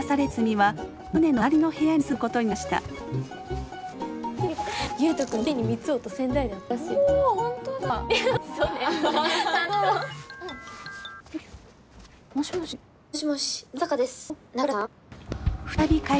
はい！